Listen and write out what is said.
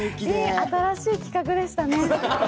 新しい企画でしたね。